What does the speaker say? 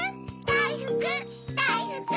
だいふくだいふく！